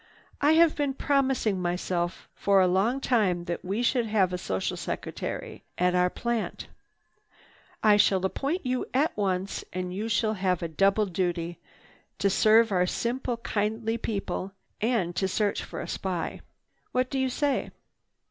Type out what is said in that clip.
I have been promising myself for a long time that we should have a social secretary at our plant. I shall appoint you at once and you shall have a double duty—to serve our simple, kindly people, and to search for a spy. What do you say?"